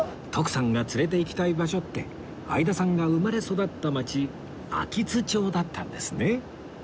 徳さんが連れていきたい場所って相田さんが生まれ育った街秋津町だったんですね